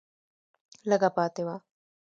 لږه پاتې وه